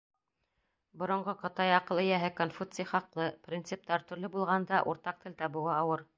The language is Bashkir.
Боронғо Ҡытай аҡыл эйәһе Конфуций хаҡлы, принциптар төрлө булғанда, уртаҡ тел табыуы ауыр.